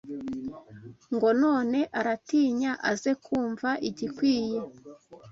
Ngo none aratinya Aze kumva igikwiye